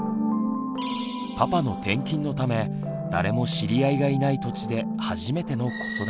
パパの転勤のため誰も知り合いがいない土地で初めての子育て。